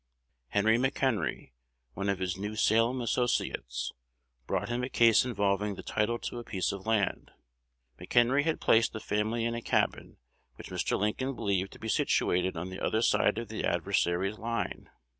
Henry McHenry, one of his New Salem associates, brought him a case involving the title to a piece of land. McHenry had placed a family in a cabin which Mr. Lincoln believed to be situated on the other side of the adversary's line.